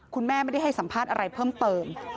คุณแม่ไม่ได้ให้สัมภาษณ์อะไรเพิ่มเติม